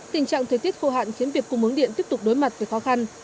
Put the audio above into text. tình trạng thời tiết khô hạn khiến việc cung mướng điện tiếp tục đối mặt với khó khăn